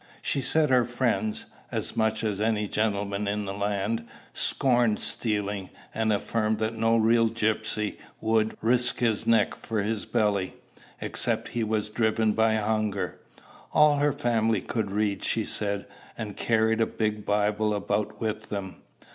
She said her friends as much as any gentleman in the land scorned stealing; and affirmed that no real gypsy would "risk his neck for his belly," except he were driven by hunger. All her family could read, she said, and carried a big Bible about with them.